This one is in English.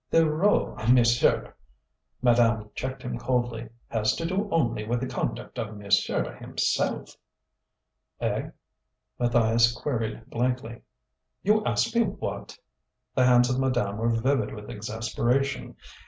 "The row, monsieur," madame checked him coldly, "has to do only with the conduct of monsieur himself?" "Eh?" Matthias queried blankly. "You ask me what?" The hands of madame were vivid with exasperation.